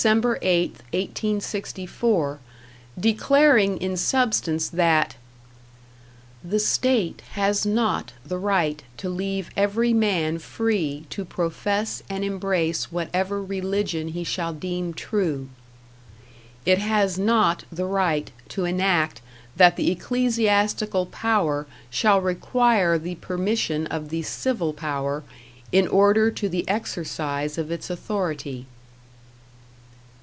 8th, 1864, declaring in substance that The state has not the right to leave every man free to profess and embrace whatever religion he shall deem true. It has not the right to enact that the ecclesiastical power shall require the permission of the civil power in order to the exercise of its authority.